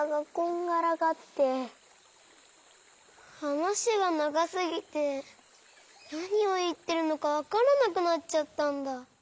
はなしがながすぎてなにをいってるのかわからなくなっちゃったんだ。